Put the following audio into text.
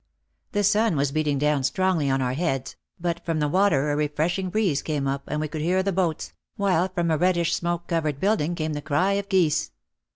The sun was beating down strongly on our heads, but from the water a refreshing breeze came up and we could hear the boats, while from a reddish, smoke covered building came the cry of geese.